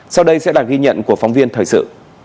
sau đây sẽ là ghi nhận của phóng viên thời sự